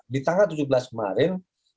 di tanggal tujuh belas kemarin